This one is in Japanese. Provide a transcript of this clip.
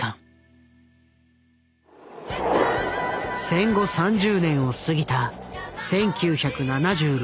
戦後３０年を過ぎた１９７６年の日本。